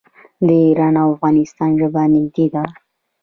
د ایران او افغانستان ژبه نږدې ده.